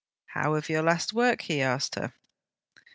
'How of your last work?' he asked her.